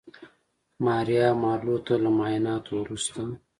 ماریا مارلو ته له معاینانو وروسته